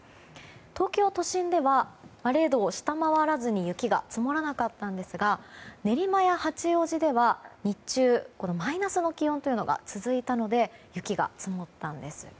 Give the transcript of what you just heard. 東京都心では０度を下回らずに、雪が積もらなかったんですが練馬や八王子では日中マイナスの気温が続いたので雪が積もったんです。